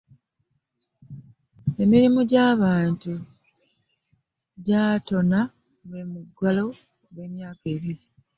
Emirimu gy'abantu gyagotaana lwa muggalo ogw'emyaka ebiri.